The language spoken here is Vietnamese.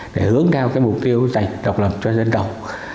để hướng theo mục tiêu dành độc lập cho dân tộc